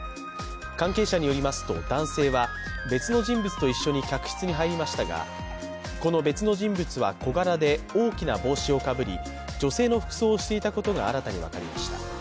関係者によりますと男性は別の人物と一緒に客室に入りましたがこの別の人物は、小柄で、大きな帽子をかぶり、女性の服装をしていたことが新たに分かりました。